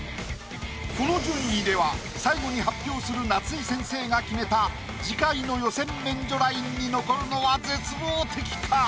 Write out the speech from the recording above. この順位では最後に発表する夏井先生が決めた次回の予選免除ラインに残るのは絶望的か？